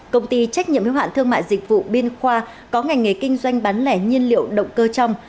công ty trách nhiệm hiếu hạn thương mại dịch vụ biên khoa có ngành nghề kinh doanh bán lẻ nhiên liệu động cơ trong